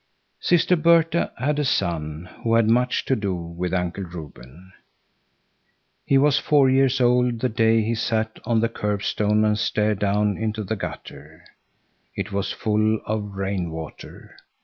Sister Berta had a son, who had much to do with Uncle Reuben. He was four years old the day he sat on the curbstone and stared down into the gutter. It was full of rain water.